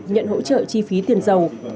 nhận hỗ trợ chi phí tiền giàu